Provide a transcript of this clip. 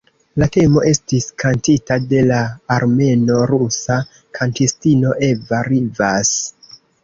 La temo estis kantita de la armeno-rusa kantistino Eva Rivas.